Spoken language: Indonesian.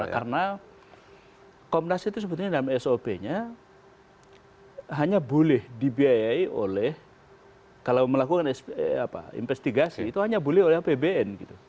karena komnas itu sebetulnya dalam sop nya hanya boleh dibiayai oleh kalau melakukan investigasi itu hanya boleh oleh pbn